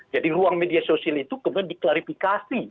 jadi ruang media sosial itu kemudian diklarifikasi